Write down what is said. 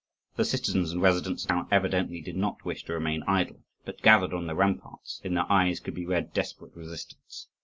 The citizens and residents of the town evidently did not wish to remain idle, but gathered on the ramparts; in their eyes could be read desperate resistance.